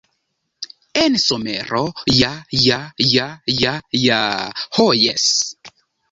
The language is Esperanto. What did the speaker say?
En somero, ja ja ja ja ja... ho jes!